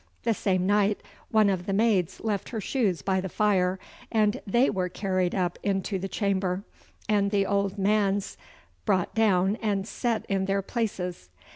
The same night one of the maids left her shoes by the fire, and they were carried up into the chamber, and the old man's brought down and set in their places.